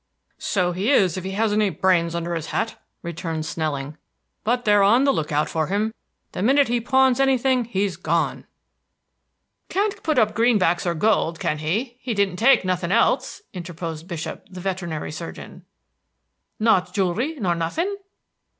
"So he is if he has any brains under his hat," returned Snelling. "But they're on the lookout for him. The minute he pawns anything, he's gone." "Can't put up greenbacks or gold, can he? He didn't take nothing else," interposed Bishop, the veterinary surgeon. "Now jewelry nor nothing?"